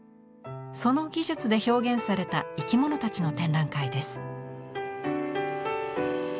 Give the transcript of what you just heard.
その技術で表現された生き物たちの展覧会です。